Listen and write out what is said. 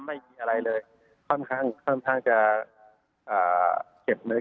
ไม่มีอะไรเลยค่อนข้างจะเคล็ดเมืองเหนือ